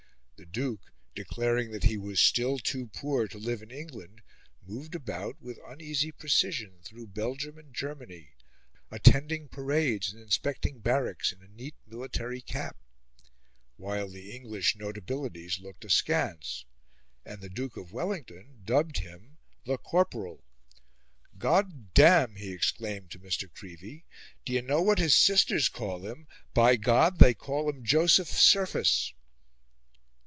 The Duke, declaring that he was still too poor to live in England, moved about with uneasy precision through Belgium and Germany, attending parades and inspecting barracks in a neat military cap, while the English notabilities looked askance, and the Duke of Wellington dubbed him the Corporal. "God damme!" he exclaimed to Mr. Creevey, "d'ye know what his sisters call him? By God! they call him Joseph Surface!"